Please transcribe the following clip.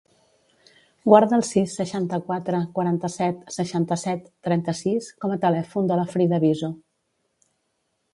Guarda el sis, seixanta-quatre, quaranta-set, seixanta-set, trenta-sis com a telèfon de la Frida Viso.